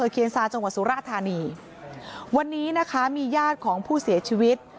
คสสุรธานีวนนี้นะคะมีญาติของผู้เสียชีวิต